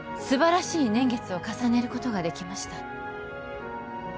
素晴らしい年月を重ねることができました